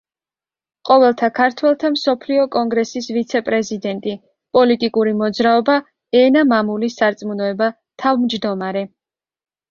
ყოველთა ქართველთა მსოფლიო კონგრესის ვიცე-პრეზიდენტი; პოლიტიკური მოძრაობა „ენა, მამული, სარწმუნოება“ თავმჯდომარე.